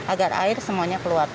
agar air semuanya keluar